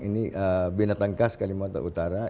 ini binatang khas kalimantan utara